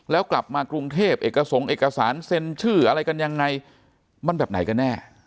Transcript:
แล้วกลับมากรุงเทพเอกสงค์เอกสารเซ็นชื่ออะไรกันยังไงมันแบบไหนกันแน่